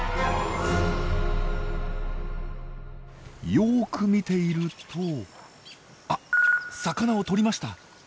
よく見ているとあっ魚をとりました！